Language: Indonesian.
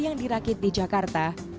yang dirakit di jakarta